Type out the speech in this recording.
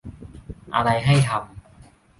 อะไรให้ทำ